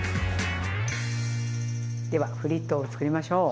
ではフリットをつくりましょう。